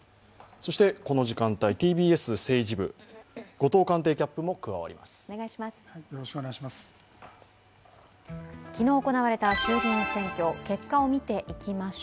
そしてこの時間帯、ＴＢＳ政治部、後藤官邸キャップも加わります。